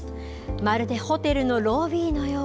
まるでホテルのロビーのよう。